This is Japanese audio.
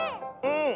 うん！